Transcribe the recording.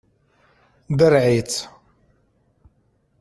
Derreɛ-itt!